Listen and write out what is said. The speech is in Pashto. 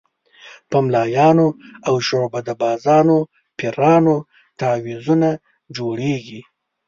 په ملایانو او شعبده بازو پیرانو تعویضونه جوړېږي.